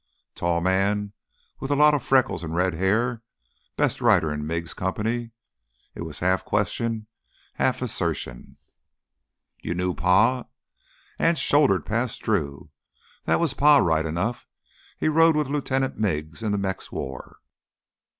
"Tall man, with a lot of freckles and red hair? Best rider in Miggs' Company——" It was half question, half assertion. "You knew Pa!" Anse shouldered past Drew. "That was Pa right enough. He rode with Lieutenant Miggs in the Mex War."